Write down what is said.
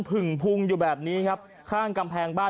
ผึ่งพุงอยู่แบบนี้ครับ